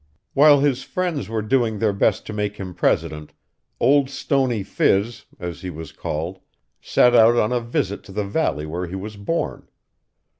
While his friends were doing their best to make him President, Old Stony Phiz, as he was called, set out on a visit to the valley where he was born.